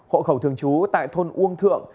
hộ khẩu thường trú tại thôn uông thượng